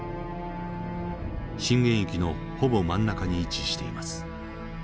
震源域のほぼ真ん中に位置しています。